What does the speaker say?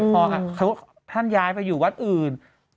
พอท่านยายไปอยู่วัดอื่น